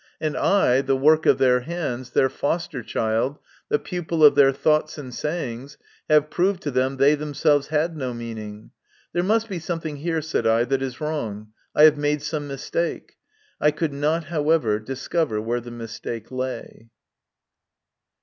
And I, the work of their hands, their foster child, the pupil of their thoughts and sayings, have proved to them they themselves had no meaning! "There must be something here," said I, " that is wrong. I have made some mistake." I could not, however, discover where the mistake lay.